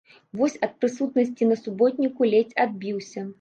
Вось ад прысутнасці на суботніку ледзь адбіўся.